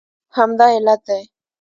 همدا علت دی